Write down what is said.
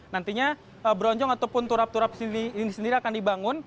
nantinya bronjong ataupun turap turap ini sendiri akan dibangun